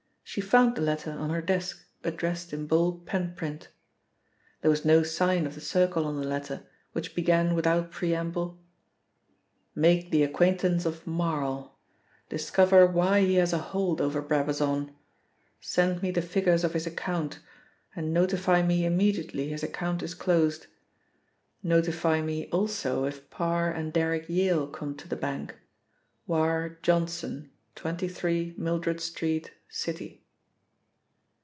She found the letter on her desk, addressed in bold pen print. There was no sign of the Circle on the letter, which began without preamble: Make the acquaintance of Marl. Discover why he has a hold over Brabazon. Send me the figures of his account and notify me immediately his account is closed. Notify me also if Parr and Derrick Yale come to the bank. Wire Johnson, 23, Mildred Street, City.